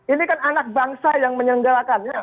ini kan anak bangsa yang menyelenggarakannya